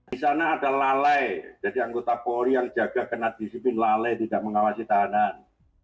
di sana ada lalai jadi anggota polri yang jaga kena disiplin lalai tidak mengawasi tahanan